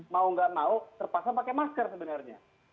mau nggak mau terpaksa pakai masker sebenarnya